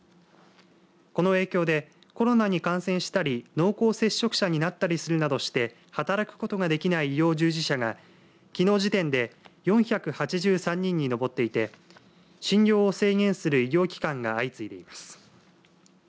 この影響でコロナに感染したり濃厚接触者になったりするなどして働くことができない医療従事者がきのう時点で４８３人に上っていて診療を制限する医療機関が相次いでいます。